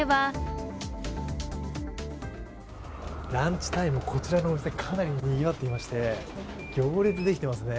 ランチタイムこちらのお店かなりにぎわっていまして行列できてますね。